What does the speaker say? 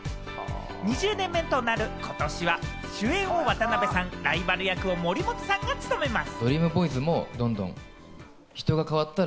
２０年目となる今年は、主演を渡辺さん、ライバル役を森本さんが務めます。